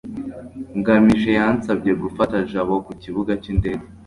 ngamije yansabye gufata jabo ku kibuga cy'indege